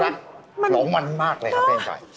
ผมได้รักหลงมันมากเลยครับเพลงชอย